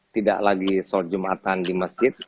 tidak lagi sholat jumatan di masjid